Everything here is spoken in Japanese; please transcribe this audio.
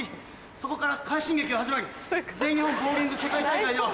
そこから快進撃が始まり全日本ボウリング世界大会では。